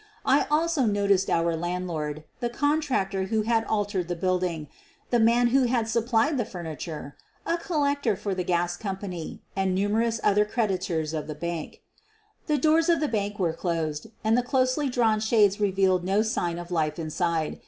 I also noticed our landlord, the contractor who had altered the building, the man who had sup plied the furniture, a collector for the gas company, and numerous other creditors of the bank. The doors of the bank were closed and the closely drawn shades revealed no sign of life inside.